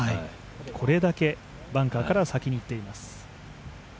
これだけバンカーから先に行っています。